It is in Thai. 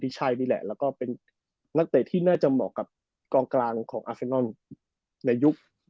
ช่วง๙๖เนอะใช่มั้ย